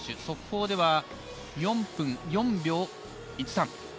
速報では４分４秒１３。